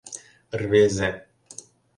— Рвезе!